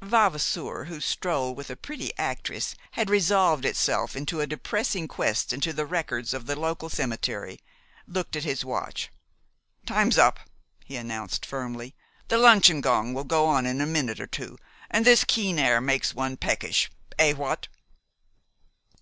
Vavasour, whose stroll with a pretty actress had resolved itself into a depressing quest into the records of the local cemetery, looked at his watch. "Time's up," he announced firmly. "The luncheon gong will go in a minute or two, and this keen air makes one peckish Eh, what?"